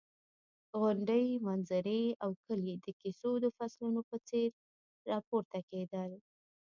غونډۍ، منظرې او کلي د کیسو د فصلونو په څېر راپورته کېدل.